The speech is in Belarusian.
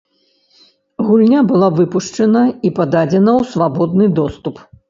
Гульня была выпушчана і пададзена ў свабодны доступ.